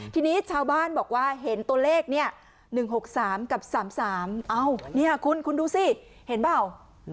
ทีนี้ชาวบ้านบอกว่าเห็นตัวเลขเนี่ย๑๖๓กับ๓๓นี่คุณคุณดูสิเห็นเปล่า